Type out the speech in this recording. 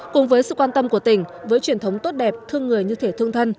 cùng với sự quan tâm của tỉnh với truyền thống tốt đẹp thương người như thể thương thân